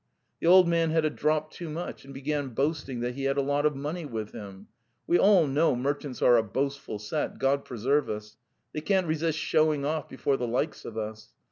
The old man had a drop too much, and began boasting that he had a lot of money with him. We all know merchants are a boastful set, God preserve us. ... They can't resist showing off before the likes of us.